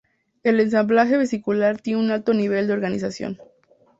El ensamblaje vesicular tiene un alto nivel de organización.